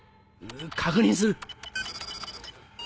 確認する。